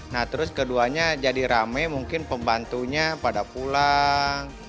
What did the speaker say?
nah terus keduanya jadi rame mungkin pembantunya pada pulang